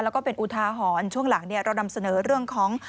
แล้วก็เป็นอุทาหรณ์ช่วงหลังเรานำเสนอเรื่องของ